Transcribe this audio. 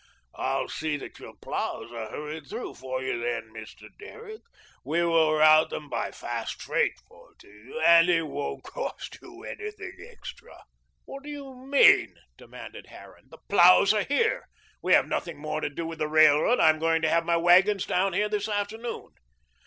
"I'll see that your ploughs are hurried through for you then, Mr. Derrick. We will route them by fast freight for you and it won't cost you anything extra." "What do you mean?" demanded Harran. "The ploughs are here. We have nothing more to do with the railroad. I am going to have my wagons down here this afternoon."